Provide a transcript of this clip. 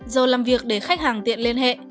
rồi làm việc để khách hàng tiện liên hệ